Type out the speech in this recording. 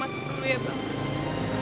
rom masuk dulu ya bang